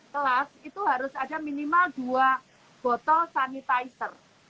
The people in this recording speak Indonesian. kelas itu harus ada minimal dua botol sanitizer